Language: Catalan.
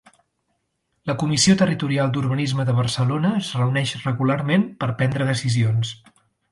La Comissió Territorial d'Urbanisme de Barcelona es reuneix regularment per prendre decisions.